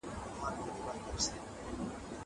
زه کولای سم پوښتنه وکړم.